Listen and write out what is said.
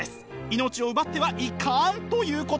命を奪ってはいかんということ！